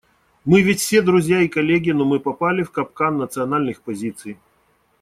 Мы ведь все друзья и коллеги, но мы попали в капкан национальных позиций.